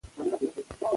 پکتیکا زما وطن ده.